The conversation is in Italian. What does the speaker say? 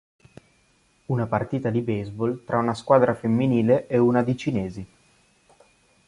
Una partita di baseball tra una squadra femminile e una di cinesi.